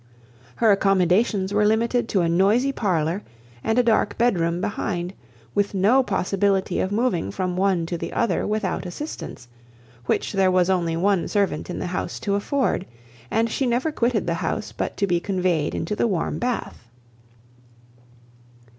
Her accommodations were limited to a noisy parlour, and a dark bedroom behind, with no possibility of moving from one to the other without assistance, which there was only one servant in the house to afford, and she never quitted the house but to be conveyed into the warm bath.